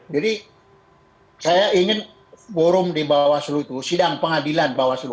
jadi saya ingin forum di bawaslu itu sidang pengadilan bawaslu